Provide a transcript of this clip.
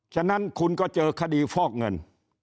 ฉะนั้นคุณก็เจอคดีฟอกเงิน